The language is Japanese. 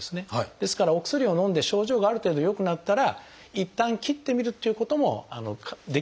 ですからお薬をのんで症状がある程度よくなったらいったん切ってみるっていうこともできる方も結構いらっしゃいます。